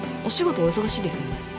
お仕事お忙しいですよね？